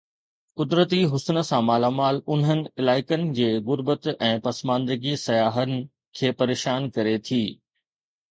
قدرتي حسن سان مالا مال انهن علائقن جي غربت ۽ پسماندگي سياحن کي پريشان ڪري ٿي.